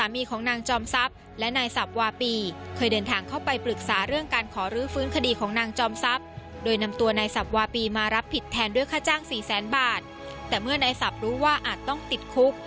มารับผิดแทนด้วยค่าจ้างสี่แสนบาทแต่เมื่อในสับรู้ว่าอาจต้องติดคุก